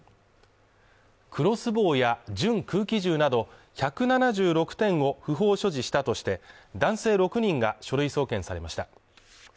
クロスボウや準空気銃など１７６点を不法所持したとして男性６人が書類送検されました。